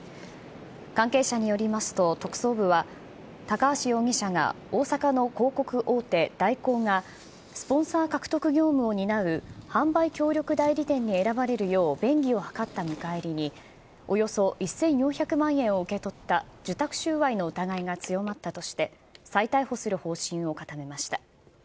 関係者によりますと、特捜部は高橋容疑者が、大阪の広告大手、大広が、スポンサー獲得業務を担う販売協力代理店に選ばれるよう便宜を図った見返りに、およそ１４００万円を受け取った受託収賄の疑いが強まったとして、再逮捕する方針を固めました。